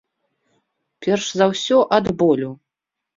Перш за ўсё, ад болю.